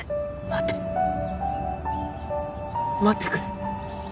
待て待ってくれ